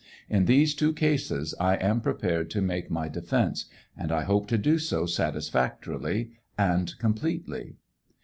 In these two cases I am prepared to make my defence, and I hope to do so satisfactorily and completely.